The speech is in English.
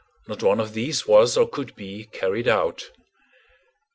Not one of these was, or could be, carried out.